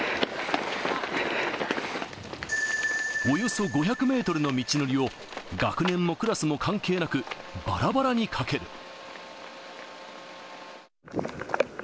およそ５００メートルの道のりを、学年もクラスも関係なく、ばらばらに駆ける。